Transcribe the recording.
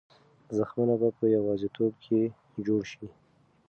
زخمونه به په یوازیتوب کې جوړ شي.